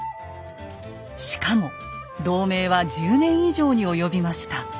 しかも同盟は１０年以上に及びました。